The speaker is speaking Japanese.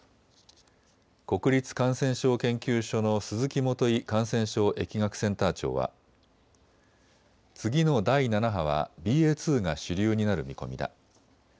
国立感染症研究所の鈴木基感染症疫学センター長は次の第７波はＢＡ．２が主流になる見込みだ。